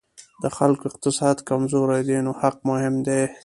د خلکو اقتصاد کمزوری دی نو حق مهم دی.